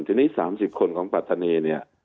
ทีนี้๓๐คนของปรารถี